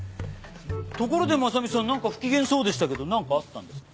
ところで真実さんなんか不機嫌そうでしたけどなんかあったんですか？